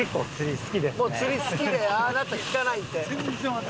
もう釣り好きでああなったら聞かないって。